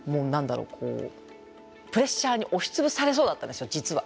プレッシャーに押しつぶされそうだったんですよ実は。